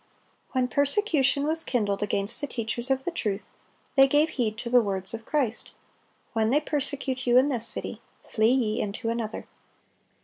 When persecution was kindled against the teachers of the truth, they gave heed to the words of Christ, "When they persecute you in this city, flee ye into another."